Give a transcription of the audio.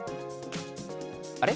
あれ？